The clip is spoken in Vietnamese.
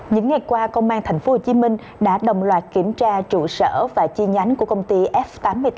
những ngày qua công an tp hcm đã đồng loạt kiểm tra trụ sở và chi nhánh của công ty f tám mươi tám